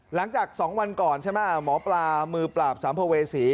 หลังจาก๒วันก่อนใช่ไหมหมอปลามือปราบสัมภเวษี